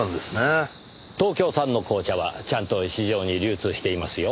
東京産の紅茶はちゃんと市場に流通していますよ。